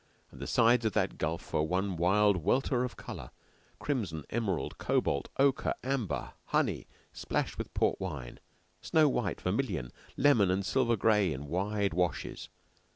And the sides of that gulf were one wild welter of color crimson, emerald, cobalt, ochre, amber, honey splashed with port wine, snow white, vermilion, lemon, and silver gray in wide washes.